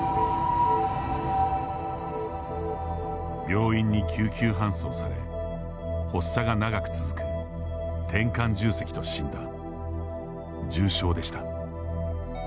病院に救急搬送され発作が長く続くてんかん重積と診断、重症でした。